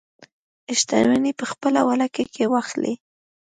شتمنۍ په خپله ولکه کې واخلي.